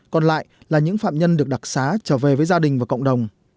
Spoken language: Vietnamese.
còn lại là những phạm nhân được đặc xá trở về với gia đình và cộng đồng